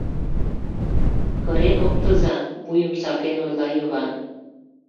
Кырен оптыза! — вуйым сакен ойла Йыван.